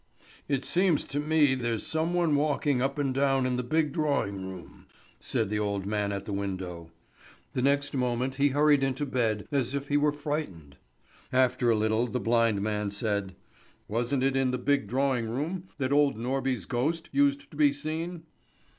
"It seems to me there's some one walking up and down in the big drawing room," said the old man at the window. The next moment he hurried into bed as if he were frightened. After a little, the blind man said: "Wasn't it in the big drawing room that old Norby's ghost used to be seen?"